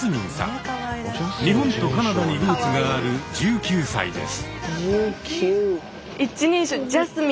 日本とカナダにルーツがある１９歳です。